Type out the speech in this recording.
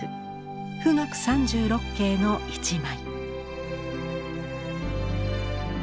「冨嶽三十六景」の一枚。